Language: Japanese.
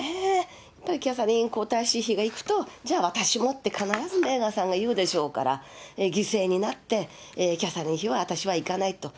やっぱりキャサリン皇太子妃が行くと、じゃあ、私もって必ずメーガンさんが言うでしょうから、犠牲になって、キャサリン妃は、私は行かないと。